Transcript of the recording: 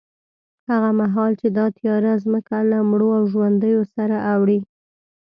هغه مهال چې دا تیاره ځمکه له مړو او ژوندیو سره اوړي،